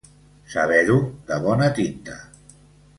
Saber-ho de bona tinta.